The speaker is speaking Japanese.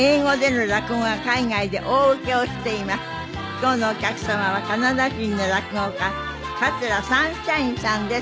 今日のお客様はカナダ人の落語家桂三輝さんです。